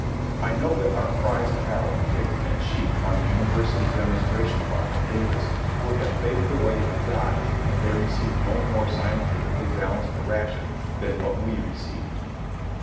I know that our prize cattle, pigs, and sheep on the University Demonstration Farm at Davis would have faded away and died had they received no more scientifically balanced a ration than what we received.